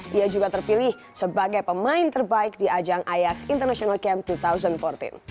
dia juga terpilih sebagai pemain terbaik di ajang ayax international camp dua ribu empat belas